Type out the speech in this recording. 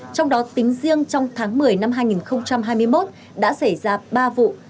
trong đó tính riêng trong tháng một mươi năm hai nghìn hai mươi một đã xảy ra ba vụ